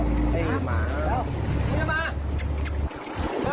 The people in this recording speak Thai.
เข้ามาเรือไอ้หมา